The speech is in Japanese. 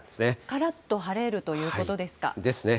からっと晴れるということですか。